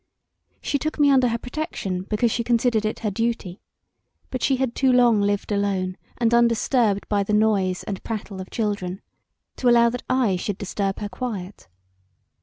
She took me under her protection because she considered it her duty; but she had too long lived alone and undisturbed by the noise and prattle of children to allow that I should disturb her quiet.